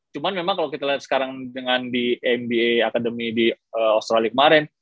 cuman memang kalau kita lihat sekarang dengan di mba academy di australia kemarin